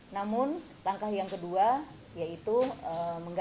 namun langkah yang kedua yaitu mengganggu